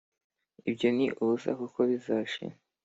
Ibyo ni ubusa kuko bizashira